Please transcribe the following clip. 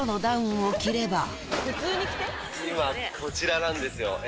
今、こちらなんですよ。